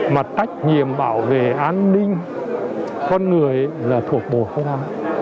mà trách nhiệm bảo vệ an ninh con người là thuộc bộ không hả